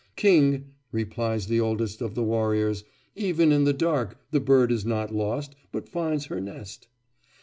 "King," replies the oldest of the warriors, "even in the dark the bird is not lost, but finds her nest."